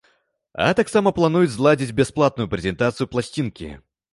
А таксама плануюць зладзіць бясплатную прэзентацыю пласцінкі.